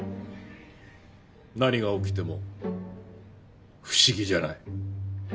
何が起きても不思議じゃない。